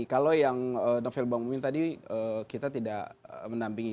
kalau yang novel bang umil tadi kita tidak menampingi